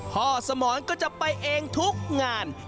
สมรก็จะไปเองทุกงาน